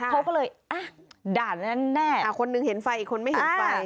เขาก็เลยด่านนั้นแน่คนหนึ่งเห็นไฟอีกคนไม่เห็นไฟ